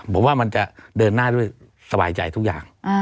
ผมว่ามันจะเดินหน้าด้วยสบายใจทุกอย่าง